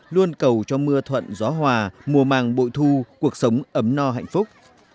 luôn cầu cho mưa thuận gió hòa mùa màng bội thu cuộc sống ấm no hạnh phúc